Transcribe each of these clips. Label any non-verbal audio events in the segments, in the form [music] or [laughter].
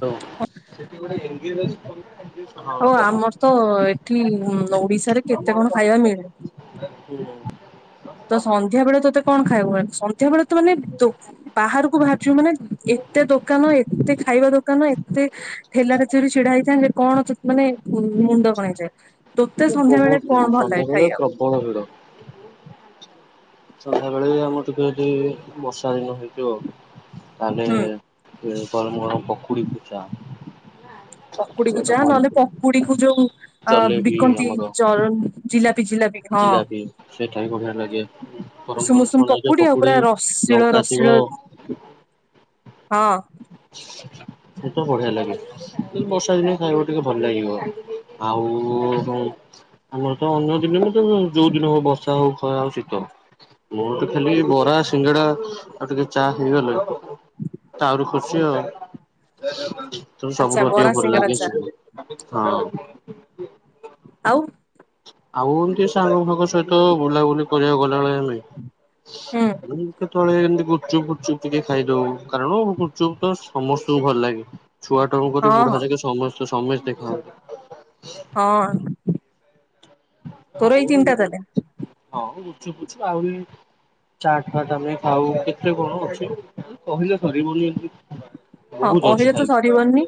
ହ [unintelligible] ଆଉ ଆମର ତ ଏଠି [unintelligible] ଓଡିଶାରେ କେତେ କଣ ଖାଇବା ମିଳେ? [unintelligible] ତ ସନ୍ଧ୍ୟା ବେଳେ ତୋତେ କଣ ଖାଇବ ମ ସନ୍ଧ୍ୟା ବେଳେ ତ ମାନେ ବାହାରକୁ ବାହାରିଛ ମାନେ ଏତେ ଦୋକାନ ଏତେ ଖାଇବା ଦୋକାନ ଏ ଏତେ ଠେଲାରେ ଧରି ଛିଡା ହେଇଥାନ୍ତେ କଣ ଅ ମାନେ ମୁଣ୍ଡ କଣ ହେଇଯାଏ ତୋତେ ସନ୍ଧ୍ୟା ବଳେ ବହୁତ କଣ ଭଲ ଲାଗେ ସନ୍ଧ୍ୟାବେଳେ ଖାଇବାକୁ? ପ୍ରବଳ ଭିଡ଼ ସନ୍ଧ୍ୟା ବେଳେ ଆମର ଟିକେ ଯଦି ବର୍ଷା ଦିନ ହେଇଥିବ ହୁଁ ତାହେଲେ ଗରମ ଗରମ ପକୁଡ଼ି କୁ ଚା। ପକୁଡିକୁୁ ଚା ନହେଲେ ପକୁଡି କୁ ଯୋଉ ଅ ଜଲେବି ବିକନ୍ତି ଆମର ଚର ଜିଲାପି ଜିଲାପି ହଁ। ଜିଲାପି ସେଇଟା ବି ବଢିଆ ଲାଗେ ଗରମ ଉଷୁମ ଗରମ ଉଷୁମ ଛଣା ହେଇଥିବ ପକୁଡି ଆଉ ପୁରା ରସିଳ ଲଙ୍କା ଥିବ ରସିଳ ହଁ। ସେତ ବଢିଆ ଲାଗେ। ବର୍ଷା ଦିନେ ଖାଇବ ଟିକେ ଭଲ ଲାଗିବ ଆଉ ଆମର ତ ଅନ୍ୟ ଦିନ ତ ଯୋଉ ଦିନ ହଉ ବର୍ଷା ହଉ ଖରା ହଉ ଶୀତ ହଉ। ମୋର ତ ଖାଲି ବରା ସିଙ୍ଗଡା ଆଉ ଟିକେ ଚା ହେଇଗଲେ। ତ ଆହୁରି ଖୁସି ଆଉ ତ ଆଚ୍ଛା ସବୁରୁ ବରା ଅଧିକ ଭଲ ସିଙ୍ଗଡା ଲାଗେ ଚା ସିବ ହଁ। ଆଉ। ଆଉ ଏମିତି ସାଙ୍ଗଙ୍କ ସହିତ ବୁଲାବୁଲି କରିବାକୁ ଗଲାବେଳେ [unintelligible] ହୁଁ ଆଉ କେତେବଳେ ଏମତି ଗୁପଚୁପ ଫୁପଚୁପ ଟିକେ ଖାଇଦଉ କାରଣ ଗୁପଚୁପ ତ ସମସ୍ତଙ୍କୁ ଭଲ ଲାଗେ। ଛୁଆ ଟାକୁ କରି ହଁ ହଁ। ବୁଢା ଯାକେ ସମସ୍ତେ ସମସ୍ତେ ଖାଉ। ହଁ। ତୋର ଏଇ ତିନିଟା ତାହେଲେ [unintelligible] ଚାଟ୍ ଫାଟ ଆମେ ଖାଉ କେତେ କଣ ଅଛି କହିଲେ ସରିବନି। ହଁ ବହୁତ ଅଛି କହିଲେ ତ ଖାଇବା ସରିବନି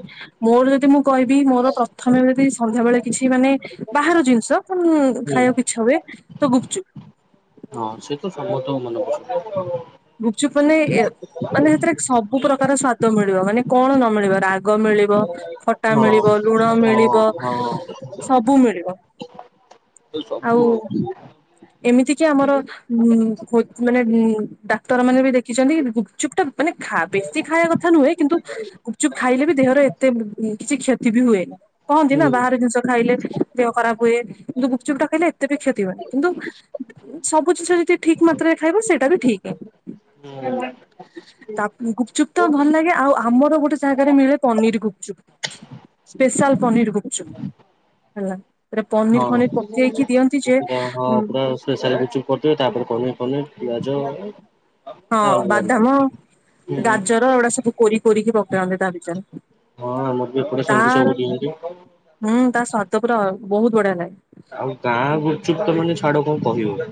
ମୋର ଯଦି ମୁଁ କହିବି ମୋର ପ୍ରଥମେ ଯଦି ସନ୍ଧ୍ୟାବେଳେ କିଛି ମାନେ ବାହାର ଜିନିଷ ଉଁ ହୁଁ। ଖାଇବାକୁ ଇଛା ହୁଏ ତ ଗୁପଚୁପ। ହଁ ସେ ତ ସମସ୍ତଙ୍କୁ ମନେ ପ ଗୁପଚୁପ ମାନେ ମାନେ ସେଥିରେ ସବୁ ପ୍ରକାର ସ୍ଵାଦ ମିଳିବ ମାନେ କଣ ନ ମିଳିବ ରା ରାଗ ମିଳିବ ଖଟା ହଁ ହଁ। ମିଳିବ ଲୁଣ ମିଳିବ ସବୁ ମିଳିବ। ସବୁ ଆଉ ଏମିତି କି ଆମର ଉ ମାନେ ଡକ୍ଟର ମାନେ ବି ଦେଖିଛନ୍ତି ଗୁପଚୁପ ଟା ମାନେ ଖା ବେଶୀ ଖାଇବା କଥା ନୁହେଁ କିନ୍ତୁ ଗୁପଚୁପ ଖାଇଲେ ବି ଦେହର ଏତେ କିଛି କ୍ଷତି ବି ହୁଏନି କହନ୍ତି ହୁଁ ନା ବାହାର ଜିନିଷ ଖାଇଲେ ଦେହ ଖରାପ ହୁଏ କିନ୍ତୁ ଗୁପଚୁପଟା ଖାଇଲେ ଏତେ ବି କ୍ଷତି ହୁଏନି କିନ୍ତୁ ସବୁ ଜିନିଷ ଠିକ ମାତ୍ରାରେ ଖାଇବ ସେଟା ବି ଠିକ [inaudible] [inaudible] ତା ଗୁପଚୁପ୍ ତ ଭଲ ଲାଗେ ଆଉ ଆମର ଗୋଟେ ଜାଗାରେ ମିଳେ ପନିର ଗୁପଚୁପ୍ ସ୍ପେଶାଲ ପାନୀରି ଗୁପଚୁପ ହେଲା। ଥିରେ ପନିର ଫନିର ହଁ। ପକେଇକି ଦିଅନ୍ତି ଯେ ଉ ସ୍ପେସିଆଲ ଗୁପ୍ ଚୁପ୍ କରିଦେବେ ତାପରେ ପନିର ଫନିର ପିଆଜ ହଁ ପୁରା ଅଲଗା ଅଲଗା। ବାଦାମ ହୁଁ ଗାଜର ଏଗୁଡା ସବୁ କୋରି କୋରି କି ପକାଅନ୍ତି ତା ଭିତରେ। ହଁ ଆମର ବି ଏପଟେ ସେମିତି ତାର ସବୁ ଦିଅନ୍ତି। ହୁଁ ତା ସ୍ୱାଦ ପୁରା ବହୁତ ବଢିଆ ଲାଗେ। ଆଉ ଗାଁ ଗୁପ୍ ଚୁପ ତ ମାନେ ଛାଡ କଣ କହିବ।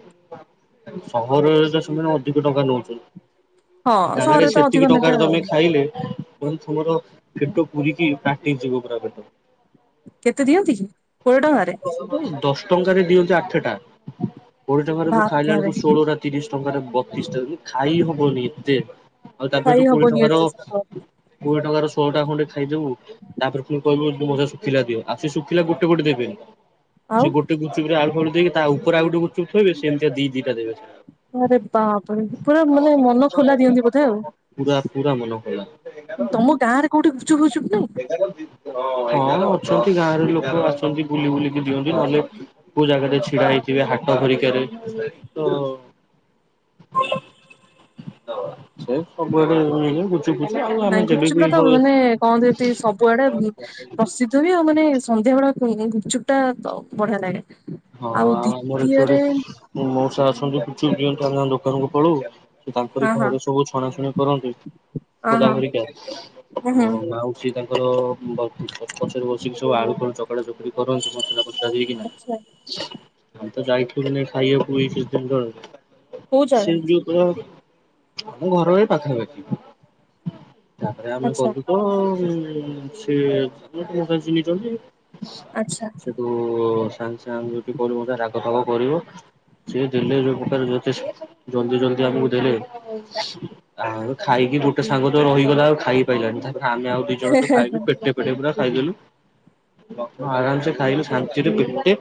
ସହରରେ ତ ସେମାନେ ଅଧିକ ଟଙ୍କା ନେଉଛନ୍ତି। ହଁ ଗାଁ ରେ ସହରରେ ତ ଅଧିକ ସେତିକି ନେବେ ଟଙ୍କାରେ ଆଉ ତମେ ଖାଇଲେ ତମର ପେଟ ପୁରିକି ଫାଟି ଯିବ ପୁରା ତମ ପେଟ। କେତେ ଦିଅନ୍ତି କି କୋଡ଼ିଏ ଟଙ୍କାରେ? ଦଶ ଟଙ୍କାରେ ଦିଅନ୍ତି ଆଠଟା କୋଡିଏ ଟଙ୍କାରେ ତ ଖାଇଲା ବାପରେ ବେଳକୁ ଷୋଳ ଟା ତିରିଶ ଟଙ୍କାରେ ବତିଶ ଟା ଖାଇ ହବନି ଏତେ ଆଉ ତାପରେ ଖାଇ ଯୋଉ କୋଡ଼ିଏ ହବନି ଟଙ୍କାର ଏତେ ସତ କୋଡିଏ ଟଙ୍କାର ଶୋହଳ ଟା ଖଣ୍ଡେ ଖାଇଦବୁ ତାପରେ ଫୁଣି କହିବୁ ମଉସା ଶୁଖିଲାି ଦିଅ ଆଉ ସେ ଶୁଖିଲ କୁ ଗୋଟେ ଗୋଟେ ଦେବେ ଆଉ ସେ ଗୋଟେ ଗୁପଚୁପ ରେ ଆଳୁ ଫାଳୁ ଦେଇିକି ତା ଉପରେ ଆଉ ଗୋଟେ ଗୁପ ଚୁପ୍ ଥୋଇବେ ସେମତି ଦି ଦିଟା ଦେବେ। ଆରେ ବା ରେ ପୁରା ମାନେ ମନ ଖୋଲା ଦିଅନ୍ତି ବୋଧେ ଆଉ? ପୁରା ପୁରା ମନ ଖୋଲା। ତମ ଗାଁରେ କୋଉଠି ଗୁପଚୁପ ଫୁପଚୁପ୍ ନାହିଁ। ଏଗାର ହଁ ଅଛନ୍ତି ଗାଁରେ ଲୋକ ଅଛନ୍ତି ବୁଲି ବୁଲିକି ଦିଅନ୍ତି ନହେଲେ କୋଉ ଜାଗାରେ ଛିଡା ହେଇଥିବେ ହାଟ ହ ତ [unintelligible] ସେ ସବୁଆଡ ମିଳେ ଗୁପୁ ଚୁପ୍ ଫୁପ୍ ଚୁପ୍ ଆଉ ନାଇଁ ଆମେ ଯେବେ ଗୁପଚୁପ ଟା ବି ତ ମାନେ କହନ୍ତି ଏଠି ସବୁଆଡେ ଘର ପ୍ରସିଦ୍ଧ ବି ଆଉ ମାନେ ସନ୍ଧ୍ୟାବେଳେ ଗୁପଚୁପ ଟା ବଢିଆ ଲାଗେ। ହଁ ଆଉ ଆମର ଏଠି ଗୋଟେ ମଉସା ଅଛନ୍ତି ଗୁପଚୁପ ଦିଅନ୍ତୁ ଆମ ଦୋକାନକୁ ପଳଉ। ତାଙ୍କର ହଁ ହଁ ଘରେ ସବୁ ଛଣାଛଣି କରନ୍ତି ଖୋଲା ହଁ ହେରିକି ହଁ ହୁଁ ହୁଁ ଆଉ ସିଏ ତାଙ୍କର ପଛରେ ବସିକି ସବୁ ଆଳୁ ଫାଳୁ ଚକଟା ଚକଟି କରନ୍ତି ମସଲା ଫସଲା ଦେଇ କିନା। ଆଚ୍ଛା ଆ ତ ଯାଇଥିଲି ମେ ଖାଇବା ବାକୁ ଏଇ କିଛି ଦିନ ତଳେ କୋଉ ଜାଗା ସେ ଯୁ [inaudible] ଆମ ଘର ଏ ପାଖାପାଖୀ। ତାପରେ ଆମେ ଆଚ୍ଛା ଗଲୁ ତ ସେ ଚିହ୍ନିଛନ୍ତି। ଆଚ୍ଛା। କୁ ସାଙ୍ଗେ ସାଙ୍ଗ ଯଦି କରିବ ରାଗ ଫାଗ କରିବ। ସିଏ ଦେଲେ ଯୋଉ ପ୍ରକାର ଜଲଦି ଜଲଦି ଆମକୁ ଦେଲେ। ଆଉ ଖାଇକି ଗୋଟେ ସାଙ୍ଗ ତ ରହିଗଲା ଆଉ ଖାଇ ପାଇଲାନି ତାପରେ ଆମେ ଆଉ ଦି ଜଣ ତ ଖାଇଲୁ ପେଟେ ପେଟେ ପୁରା ଖାଇଦେଲୁ ଆରାମସେ ଖାଇଲୁ ଶାନ୍ତିରେ ପେ ଟେ।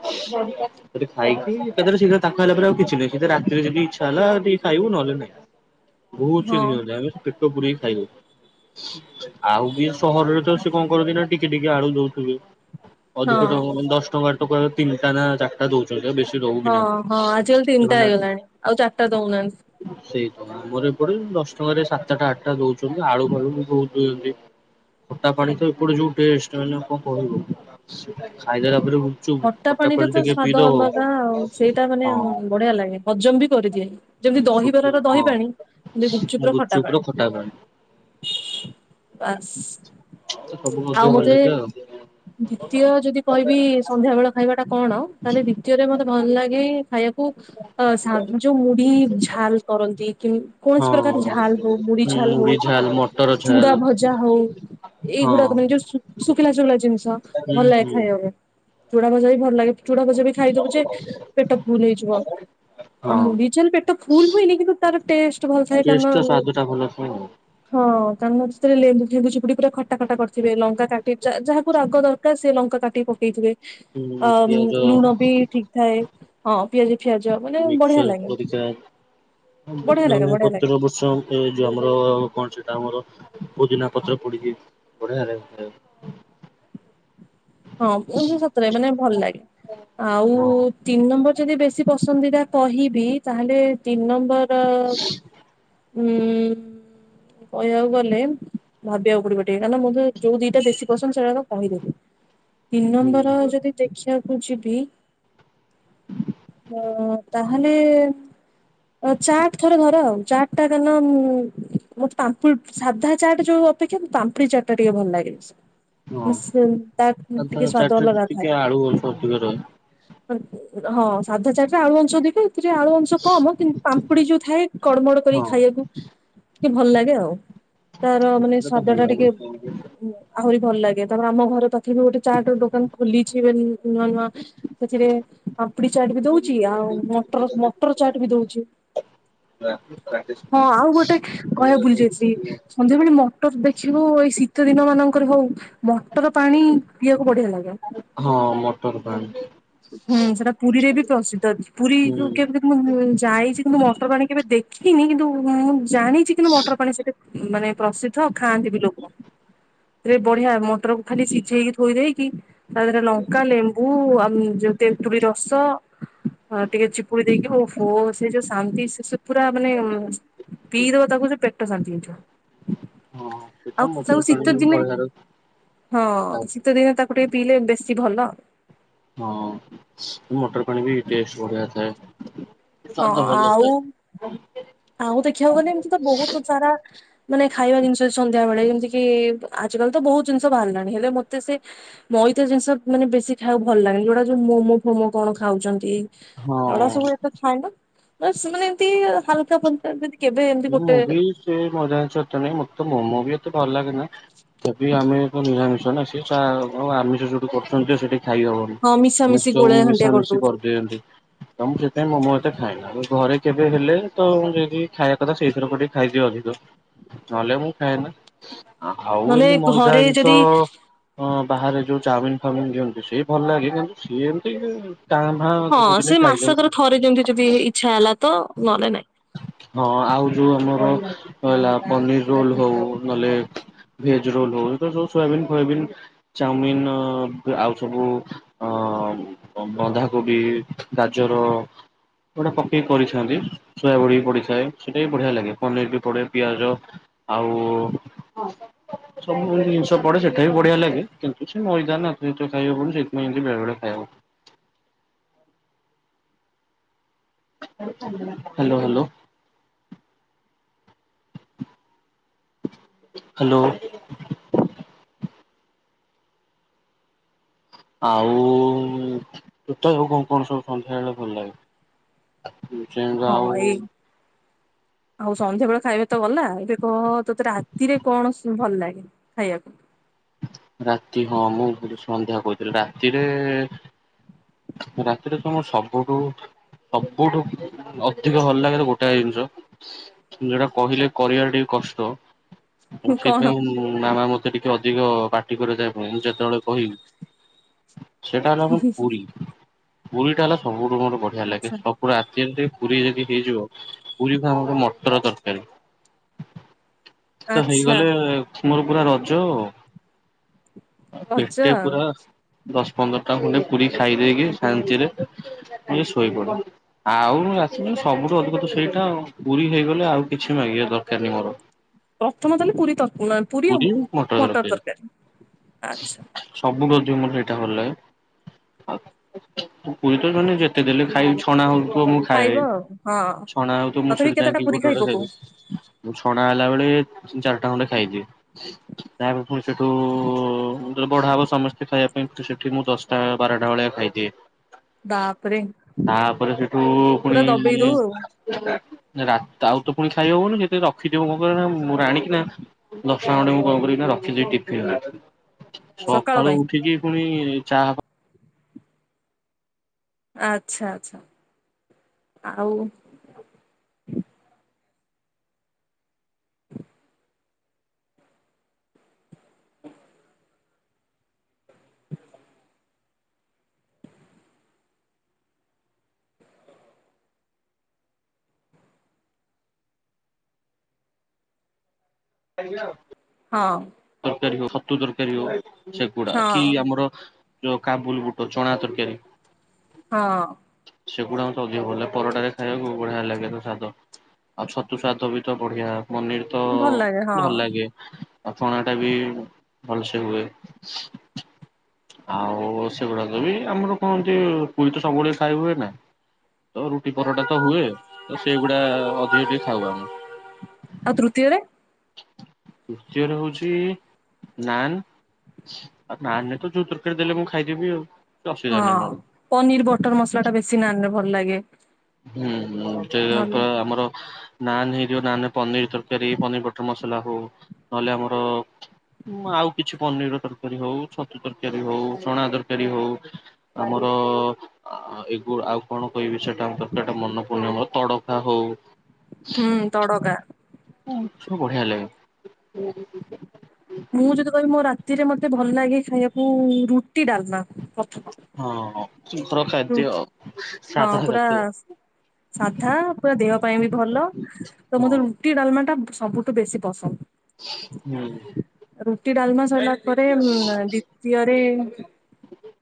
ତାପରେ ଖାଇକି ତାପରେ ସିଧା ତାକୁ ଖାଇଲା ପରେ ଆଉ କିଛି ନାଇଁ ରାତିରେ ଯଦି ଇଚ୍ଛା ହେଲା ଟିକେ ଖାଇବୁ ନହେଲେ ନାଇଁ। ବହୁତ ହଁ ଚିରି ଆମେ ପେଟ ପୁୁରେଇକି ଖାଇଲୁ। ଆଉ ବି ସହରରେ ତ ସେ କଣ କରନ୍ତି ନା ଟିକେ ଟିକେ ଆଳୁ ଦଉଥିବେ ହଁ ଅଧିକ ଟଙ୍କା ମାନେ ଦଶ ଟଙ୍କା ଟଙ୍କାର ତିନିଟା ନା ଚା ଟା ଦଉଛନ୍ତି ଆଉ ବେଶୀ ଦଉ ବି ହଁ ହଁ ନାହାନ୍ତି ଆଜିକାଲି ତିନିଟା ସେମାନେ ହେଇଗଲାଣି ଆଉ ଚାରିଟା ଦଉନାହାନ୍ତି। ସେଇ ତ ଆମର ଏପଟେ ଦଶ ଟଙ୍କାରେ ସାତଟା ଆଠଟା ଦଉଛନ୍ତି ଆଳୁ ଫାଳୁ ବି ବହୁତ ଦିଅନ୍ତି। ଖଟା ପାଣି ତ ଏପଟେ ଯୋଉ ଟେଷ୍ଟ ମାନେ ଆଉ କଣ କହିବ ଖାଇଦେଲା ପରେ ଗୁପଚୁପ। ଖଟା ପାଣିରେ ପାଣି ତ ଟିକେ ସ୍ଵାଦ ପିଇଦବ ଅଲଗା ଆଉ ସେଇଟା ମାନେ ହଁ ବଢିଆ ଲାଗେ ହଜମ ବି କରିଦିଏ। ଯେମିତି ସବୁ ଦହିବରାର ଦହି ହଁ ପାଣି, ସେମିତି ଗୁପଚୁପ୍ ର ଖଟା ପାଣି। ପାସ୍। ସବୁ ଆଉ ଅଧିକ ଭଲ ମତେ ଲାଗେ ଆଉ। ଦ୍ଵିତୀୟ ଯଦି କହିବି ସନ୍ଧ୍ୟାବେଳ ଖାଇବା ଟା କଣ ତାହେଲେ ଦ୍ଵିତୀୟରେ ମତେ ଭଲ ଲାଗେ ଖାଇବା କୁ ଯୋଉ ମୁଢି ଝାଲ କରନ୍ତି କି କୌଣସି ପ୍ରକାର ହଁ ଝାଲ ହଉ ମୁଡି ଝାଲ ହଉ, ମୁଢି ଝାଲ ମଟର ଝାଲ ଚୁଡ଼ା ଭଜା ହଉ ହଁ ଏଇଗୁଡାକ ମାନେ ଯୋଉ ଶୁଖିଲା ଶୁଖିଲା ଜିନିଷ ହୁଁ ଭଲ ଲାଗେ ହୁଁ ଖାଇବାକୁ। ଚୁଡା ଭଜା ବି ଭଲ ଲାଗେ ଚୁଡା ଭଜା ବି ଖାଇଦବୁ ଯେ ପେଟ ଫୁଲ ହେଇଯିବ। ଆଉ ହଁ। ମୁଢ଼ି ଝାଲ ପେଟ ଫୁଲ ହୁଏନି କିନ୍ତୁ ତାର ଟେଷ୍ଟ ଭଲ ଥାଏ ଟେଷ୍ଟ ଟା କାରଣ ସ୍ଵାଦ ଟା ଭଲ [unintelligible] ହଁ କାରଣ ସେଥିରେ ଲେମ୍ବୁ ଫେମ୍ବୁ ଚିପୁଡି ପୁରା ଖଟା ଖଟା କରିଥିବେ ଲଙ୍କା କାଟି ଯା ଯାହାକୁ ରାଗ ଦରକା ର ସେ ଲଙ୍କା କାଟି ପକେଇଥିବେ ଆ ହୁଁ ପିଆଜ ଲୁଣ ବି ଠିକ ଥାଏ ହଁ ପିଆଜ ଫିଆଜ ମାନେ ବଢିଆ ମିଚର୍ ଲାଗେ ହରିକା ବଢିଆ ଲାଗେ ଧନିଆ ବଢିଆ ଲାଗେ ପତ୍ର ପସନ୍ଦ ଏ ଯୋଉ ଆମର କଣ ସେଟା ଆମର ପୋଦିନା ପତ୍ର ପଡିକି ବଢିଆ ଲାଗେ ଖାଇବାକୁ। ହଁ ସତରେ ମାନେ ଭଲ ଲାଗେ ଆଉ ହଁ ତିନି ନମ୍ବର ଯଦି ବେ ଶୀ ପସନ୍ଦିଦା କହିବି ତାହେଲେ ତିନି ନମ୍ବର ଉଁ କହିବାକୁ ଗଲେ ଭାବିବାକୁ ପଡିବ ଟିକେ କାରଣ ମୁଁ ତ ଯୋଉ ଦିଟା ବେଶୀ ପସନ୍ଦ ସେଇଟା ତ କହିଦେଲି। ତିନି ହୁଁ ନମ୍ବର ଯଦି ଦେଖିବାକୁ ଯିବି ତ ତାହେଲେ ଚାଟ୍ ଥରେ ଧର ଆଉ ଚାଟ୍ ଟା କାରଣ ମୋତେ ପାମ୍ପୁ ସାଧା ଚାଟ ଯୋଉ ଅପେକ୍ଷା ମତେ ପାମ୍ପୁଡି ଚାଟ୍ ଟା ଟିକେ ଭଲ ଲାଗେ ବେଶୀ। [unintelligible] ତା ଟିକେ ପାମ୍ପଡ ସ୍ଵାଦ ଚାଟ୍ ରେ ଅଲଗା ଥାଏ ଟିକେ ଆଳୁ ଅଧିକ ରହେ। ହଁ ସାଧା ଚାଟ୍ ରେ ଆଳୁ ଅଂଶ ଅଧିକ ଏଥିରେ ଆଳୁ ଅଂ ଶ କମ କିନ୍ତୁ ପାମ୍ପୁଡି ଯୋଉ ଥାଏ କଡ଼ମଡ କରି ହଁ ଖାଇବାକୁ ଟିକେ ଭଲ ଲାଗେ ଆଉ। ତାର ମାନେ ସେଟା ତ ସ୍ୱାଦ ଭଲ ଟା ଟିକେ ଲାଗେ ଆହୁରି ଭଲ ଲାଗେ ତାପରେ ଆମ ଘର ପାଖେବି ଚାଟ୍ ଦୋକାନ ଖୋଲିଛି ଏବେ ନୂଆ ନୂଆ। ସେଥିରେ ପାମ୍ପୁଡ଼ି ଚାଟ୍ ବି ଦଉଛି ଆଉ ମଟର ମଟର ଚାଟ୍ ବି ଦଉଛି। ରାକ ହଁ ଆଉ ଗୋଟେ ରାକେଶ କହିବାକୁ ଭୁଲି ଯାଇଥିଲି ମ। ସନ୍ଧ୍ୟାବେଳେ ମଟର ଦେଖିବୁ ଏଇ ଶୀତ ଦିନ ମାନଙ୍କରେ ହଉ ମଟର ପାଣି ପିବାକୁ ବଢିଆ ଲାଗେ। ହଁ ମଟର ପାଣି। ହୁଁ ସେଟା ପୁରୀରେ ବି ପ୍ରସିଦ୍ଧ ଅଛି। ପୁରୀ ହୁଁ କେବେ ମୁଁଁ ଯାଇଛି କିନ୍ତୁ ମଟର ପାଣି କେବେ ଦେଖିନି କିନ୍ତୁ ମୁଁ ଜାଣିଛି କିନ୍ତୁ ମଟର ପାଣି ସେଠି ମାନେ ପ୍ରସିଦ୍ଧ ଆଉ ଖାଆନ୍ତି ବି ଲୋକ। ରେ ବଢିଆ ମଟରକୁ ଖାଲି ସିଝେଇକି ଥୋଇ ଦେଇକି ତାଧେରେ ଲଙ୍କା ଲେମ୍ବୁ ଆଉ ଯୋଉ ତେନ୍ତୁଳି ରସ ହଁ ଟିକେ ଚିପୁଡି ଦେଇକି ଓହୋ ସେ ଯୋଉ ଶାନ୍ତି ସେ ସବୁ ପୁରା ମାନେ ପିଇ ଦବ ତାକୁ ପେଟ ଶାନ୍ତି ହେଇଯିବ। ହଁ ସେ ଆଉ ତ ମଟର ତାକୁ ପାଣି ଶୀତ ବି ଦିନେ ବଢିଆ ର ହଁ ଶୀତଦିନ ତାକୁ ଟିକେ ପିଇଲେ ବେଶୀ ଭଲ। ହଁ ଅଁ ସ ମଟର ପାଣି ବି ଟେଷ୍ଟ ବଢିଆ ଥାଏ। ହଁ ସ୍ୱାଦ ଭଲ ଆଉ ଥାଏ ଆଉ ଦେଖିବାକୁ ଗଲେ ଏମି଼ତି ତ ବହୁତ ସାରା ମାନେ ଖାଇବା ଜିନିଷ ସନ୍ଧ୍ୟା ବେଳେ ଯେମିତି କି ଆଜିକାଲି ତ ବହୁତ ଜିନିଷ ବାହାରିଲାଣି ହେଲେ ମତେ ସେ ମଇଦା ଜିନିଷ ମାନେ ବେଶୀ ଖାଇବାକୁ ଭଲ ଲାଗେନି ଯୋଉ ଗୁଡା ଯୋଉ ମୋମୋ ଫୋମୋ କଣ ଖାଉଛନ୍ତି ଏଗୁଡା ହଁ। ସବୁ ଏତେ ଖାଏନା ସେ ମାନେ ଏମିତି ହାଲକା ଫୁଲକା କେବେ ଏମ ମୁଁ ମୁଁ ଵି ମଇଦା ଜିନିଷ ଏତେ ନାହିଁମୋତେ ତ ମୋମୋ ବି ଏତେ ଭଲ ଲାଗେନା ତଥାପି ଆମେ ତ ନିରାମିଷ ନା ସିଏ [unintelligible] ଆମିଷ ସେଉଠୁ କରୁଛନ୍ତି ସେଠିକି ଖାଇହବ ହଁ ମିଶ ମିଶାମିଶି ସବୁ ଗୋଳେଇ ଘାଣ୍ଟିଆ ମିଶାମିଶି କରିଦଉଛନ୍ତି କରିଦିଅନ୍ତି। ତ ମୁଁ ସେଥିପାଇଁ ମୋମୋ ଏତେ ଖାଏନା ଘରେ କେବେ ହେଲେ ତ ଯଦି ଖାଇ କଥା ସେଇଥର କ ଟିକେ ଖାଇଦିଏ ଅଧିକ ନହେଲେ ମୁଁ ଖାଏ ନା ଆଉ ନହେଲେ ଏମିତି ମଇଦା ଘରେ ଜିନିଷ ଯଦି ଅ ହଁ ବାହାରେ ଯୋଉ ଚାଉମିନ ଫାଉମିନ ଦିଅନ୍ତୁ ସିଏ ଭଲ ଲାଗେ କିନ୍ତୁ ସିଏ ଏମିତି ଇ କାଁ ଭାଁ ହଁ ଦିନେ ଦିନେ ସେ ଖାଇଦଉଛି ମାସକରେ ଥରେ ଯେମିତି ଯଦି ଇଚ୍ଛା ହେଲା ତ ନହେଲେ ନାଇଁ ହଁ ଆଉ ଯୋଉ ଆମର ହେଲା ପନିର ରୋଲ ହଉ ନହେଲେ ଭେଜ ରୋଲ ହଉ ସେ ତ ସବୁ ସୋୟାବିନ ଫୋୟାବିନ ଚାଉମିିନ ଆ -ଆଉ ସବୁ ଅ ବ ବନ୍ଧାକୋବି ଗାଜର ଏଗୁଡା ପକେଇକି କରିଥାନ୍ତି ସୋୟା ବଡି ଵି ପଡିଥାଏ ସେଟା ବି ବଢିଆ ଲାଗେ ପନିର ବି ପଡେ ପିଆଜ ଆଉ ସବୁ ଜିନିଷ ପଡେ ସେଟା ବି ବଢିଆ ଲାଗେ କିନ୍ତୁ ସେ ମଇଦା ନା ଯେହେତୁ ଖାଇ ହବନି ସେଇଥିପାଇଁ ଏମିତି ବେଳେବେଳେ ଖାଇବାକୁ ହାଲୋ ହାଲୋ ହାଲୋ ଆଉ ଉ ତୋତେ ଆଉ ସବୁ କଣ କଣ ସବୁ ସନ୍ଧ୍ୟା ବେଳେ ଭଲ ଲାଗେ? ହଁ ଆଉ ଏଇ ଆଉ ସନ୍ଧ୍ୟା ବେଳେ ଖାଇବା ତ ଗଲା ଏବେ କହ ତୋତେ ରାତିରେ କଣ ସ୍ ଭଲ ଲାଗେ ଖାଇବାକୁ? ରାତି ହଁ ମୁଁ ଭୂଲ ରେ ସନ୍ଧ୍ୟା କହି ଦେଲି ରାତିରେ ଏ ରାତିରେ ତ ମୋର ସବୁଠୁ ସବୁଠୁ ଅଧିକ ଭଲ ଲାଗେ ତ ଗୋଟାଏ ଜିନିଷ ଯୋଉଟା କହିଲେ କରିବାର ଟିକେ କଷ୍ଟ କଣ? ସେଇଥିପାଇଁ ଉଁ ମାମା ମତେ ଟିକେଅଧି ଅଧିକ ପାଟି କରାଯାଏ ପୁଣି ମୁଁ ଯେତେବେଳେ କହିବି ସେଇଟା ହେଲା ଆମର ପୁରୀ ପୁରୀଟା ହେଲା ସବୁଠୁ ମୋର ବଢିଆ ଲାଗେ ଆଚ୍ଛା। ସ କୋ ରାତି ରେ ଯଦି ପୁରୀ ଯଦି ହେଇଯିବ ପୁରୀକୁ ଆମ ମଟର ତରକାରୀ [inaudible] ତ ହେଇଗଲେ ତୁମର ପୁରା ରଜ ଅ ରଜ ପେଟେ ଆଉ ପୁରା ଦଶ ପନ୍ଦର ଟା ଖଣ୍ଡେ ପୁରୀ ଖାଇଦେଇକି ଶାନ୍ତିରେ ଟିକେ ଶୋଇପଡ଼େ। ଆଉ ମୁଁ ରାତିରେ ସବୁଠୁ ଅଧିକ ତ ସେଇଟା ଆଉ ପୁରୀ ହେଇଗଲେ ଆଉ କିଛି ମାଗିବା ଦରକାର ନାହିଁ ମୋର ପ୍ରଥମ ତାହଲେ ପୁରୀ ତର ପୁରୀ ଓ ମଟର ତରକାରୀ ଆଛା ସବୁଠୁ ଅଧିକ ମୋତେ ଏଇଟା ଭଲ ଲାଗେ ପୁରୀ ତ ସେମାନେ ଯେତେ ଦେଲେ ଖାଇଛୁ ଛଣା ହଉ ଥୁବ ମୁଁ ଖାଇବ ଖାଇଏବି ଆଉ ହଁ ଛଣା ହଉ ତ ମୁଁ ତଥାପି ସେଠି କେତେଟା ଯାଇକି ପୁରୀ ଗୋଟେ ଖାଇ ଗୋଟେ ପକଉ ଖାଇଦିଏ। ମୁଁ ଛଣା ହେଲା ବେଳେ ତିନି ଚାରିଟା ଖଣ୍ଡେ ଖାଇଦିଏ ତାପରେ ପୁଣି ସେଠୁ ଉ ବଢା ହବ ସମସ୍ତେ ଖାଇବା ପାଇଁ ଏଠି ସେଠି ମୁଁ ଦଶଟା ବାରଟା ଭଳିଆ ଖାଇଦିଏ। ବାପରେ ତାପରେ ସେଠୁ ପୁଣି ପୁରା ଦବେଇ ଦଉ ଆଉ ଇ ରା ତା ଉପରେ ତ ପୁଣି ଖାଇ ହବନି ସେଇଥିପାଇ ରଖିଥିବ ମୋ ପାଇଁ ମୁଁ ମୋର ଆଣି କିନା [unintelligible] ମୁଁ କଲ୍ କରିକି ନା ରଖିଦେଇ ଟିଫିନରେ ସକାଳ ସକାଳୁ ପାଇଁ ଉଠିକି ପୁଣି ଚାହା ଆଚ୍ଛା ଆଚ୍ଛା ଆଉ ଆଜ୍ଞା। ହଁ। ତରକାରୀ ହଉ ଛତୁ ତରକାରୀ ହଉ ସେଗୁଡା କି ହଁ ଆମର କି କାବୁଲ ବୁଟୋ ଚଣା ତରକାରୀ। ହଁ। ସେଗୁଡାକ ଅଧିକ [unintelligible] ପରଟାରେ ଖାଇବାକୁ ବଢ଼ିଆ ଲାଗେ, ତ ସଦ ଆଉ ଛତୁ [unintelligible] ବି ତ ବଢିଆ ପନିର ତ ଭଲ ଲାଗେ ହଁ ଭଲ ଲାଗେ। ପଣା ଟା ବି ଭଲସେ ହୁଏ। ଆଉ ସେଗୁଡାକ ବି ଆମର କଣ ହନ୍ତି ପୁଇ ତ ସବୁବେଳେ ଖାଇ ହୁଏ ନା ତ ରୁଟି ପରଟା ତ ହୁଏ ତ ସେଇଗୁଡା ଅଧିକ ଟିକେ ଖାଉ [unintelligible] ଆଉ ତୃତୀୟରେ ତୃତୀୟରେ ହଉଛି ନାନ ନାେ ତ ଯୋଉ ତରକାରୀ ଦେଲେ ମୁଁ ଖାଇଦେବି। କିଛି ଅସୁବିଧା ହଁ ନାହିଁ ମୋର। ପନିର ବଟର ମସଲା ଟା ବେଶୀ ନାନରେ ଭଲ ଲାଗେ। ହୁଁ ହୁଁ ସେ ଭଲ ପା ଆମର ନାନ ହେଇଯିବ ନାନ ପନିର ତରକାରୀ ପନିର ବଟର ମସଲା ହଉ ନହେଲେ ଆମର ଆଉ କିଛି ପନିର ତରକାରୀ ହଉ ଛତୁ ତରକାରୀ ହଉ ଚଣା ତରକାରୀ ହଉ। ଆମର ଏଗୁ ଆଉ କଣ କହିବି ସେଟା ସେଟା ମନେ [unintelligible] ତଡକା ହଉ ହୁଁ ତଡକା। ସବୁ ବଢିଆ ଲାଗେ। ମୁଁ ଯଦି କହିବି ମୋ ରାତିରେ ମତେ ଭଲ ଲାଗେ ଖାଇବାକୁ ରୁଟି ଡାଲମା, ପ୍ରଥମ ହଁ ଖାଇ [unintelligible] ପୁରା ହଁ ସାଧା ପୁରା ସାଧା ପୁରା ଦେହ ପାଇଁ ବି ଭଲ। ତ ହଁ ମୋତେ ରୁଟି ଡାମା ଟା ସବୁଠୁ ବେଶୀ ପସନ୍ଦ। ହୁଁ। ରୁଟି, ଡାଲମା, ସିଇଲା ପରେ ଦ୍ଵିତୀୟରେ